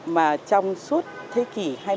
mà trong suốt thế kỷ